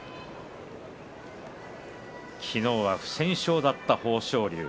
昨日は不戦勝だった豊昇龍。